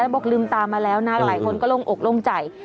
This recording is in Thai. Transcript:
บอกลืมตามาแล้วนะหลายคนก็โล่งอกโล่งใจ